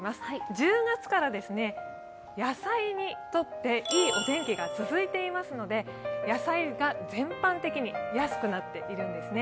１０月から野菜にとっていいお天気が続いていますので野菜が全般的に安くなっているんですね。